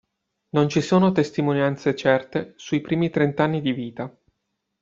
Non ci sono testimonianze certe sui primi trent'anni di vita.